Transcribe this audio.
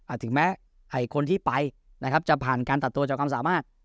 ถึงแม้ให้คนที่ไปนะครับจะผ่านการตัดตัวจากความสามารถ